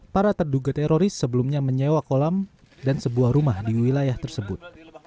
para terduga teroris sebelumnya menyewa kolam dan sebuah rumah di wilayah tersebut